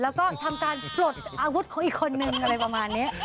แล้วก็ทำการปลดอาวุธของอีกคนนึงอะไรประมาณนี้